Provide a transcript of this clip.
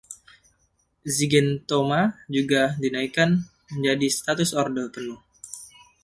Zygentoma juga dinaikkan menjadi status ordo penuh.